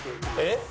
えっ？